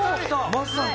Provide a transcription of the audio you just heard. まさに。